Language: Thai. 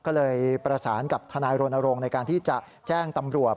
ก็เลยประสานกับทนายรณรงค์ในการที่จะแจ้งตำรวจ